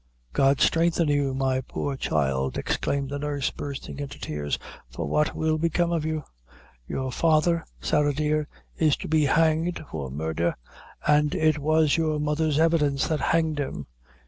"God strengthen you, my poor child," exclaimed the nurse, bursting into tears; "for what will become of you? Your father, Sarah dear, is to be hanged for murdher, an' it was your mother's evidence that hanged him.